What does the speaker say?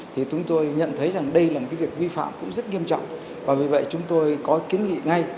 thì chúng tôi nhận thấy rằng đây là một cái việc vi phạm cũng rất nghiêm trọng và vì vậy chúng tôi có kiến nghị ngay